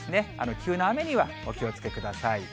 急な雨にはお気をつけください。